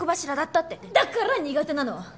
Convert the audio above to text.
だから苦手なの！